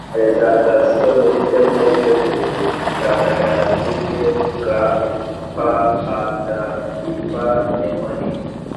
presentation muri cnlg ku bushakashatsi bwe bwa phd bwitwa memory